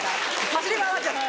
走り回っちゃって。